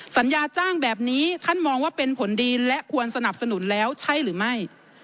สัญญาจ้างแบบนี้ท่านมองว่าเป็นผลดีและควรสนับสนุนแล้วใช่หรือไม่